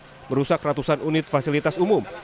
ada juga merusak ratusan unit fasilitas umum